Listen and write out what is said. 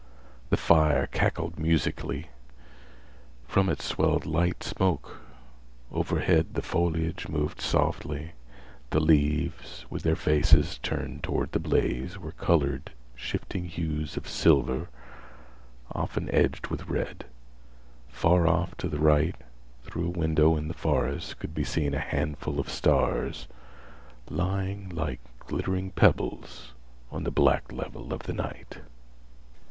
The fire cackled musically. From it swelled light smoke. Overhead the foliage moved softly. The leaves, with their faces turned toward the blaze, were colored shifting hues of silver, often edged with red. Far off to the right, through a window in the forest could be seen a handful of stars lying, like glittering pebbles, on the black level of the night.